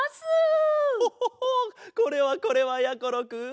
ホホホこれはこれはやころくん。